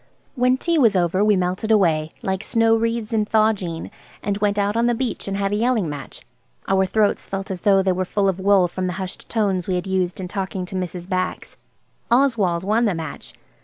When tea was over we melted away, "like snow wreaths in Thawjean," and went out on the beach and had a yelling match. Our throats felt as though they were full of wool from the hushed tones we had used in talking to Mrs. Bax. Oswald won the match.